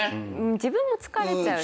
自分も疲れちゃうし。